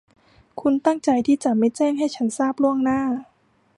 คุณตั้งใจที่จะไม่แจ้งให้ฉันทราบล่วงหน้า ?